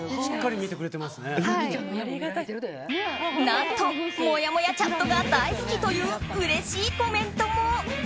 何と、もやもやチャットが大好きといううれしいコメントも。